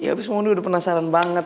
ya tapi mahmudi udah penasaran banget